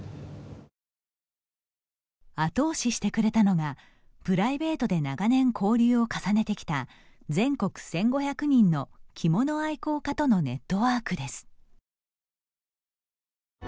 後押ししてくれたのがプライベートで長年交流を重ねてきた全国１５００人の着物愛好家とのネットワークです。